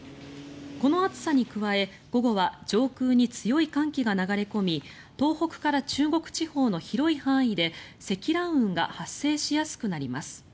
この暑さに加え、午後は上空に強い寒気が流れ込み東北から中国地方の広い範囲で積乱雲が発生しやすくなります。